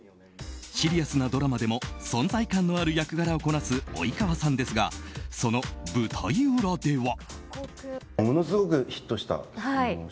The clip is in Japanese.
シリアスなドラマでも存在感のある役柄をこなす及川さんですがその舞台裏では。